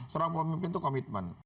seorang pemimpin itu komitmen